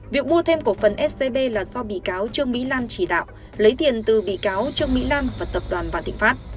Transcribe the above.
việc mua thêm cổ phần scb là do bị cáo trương bị lan chỉ đạo lấy tiền từ bị cáo trương bị lan và tập đoàn và thịnh pháp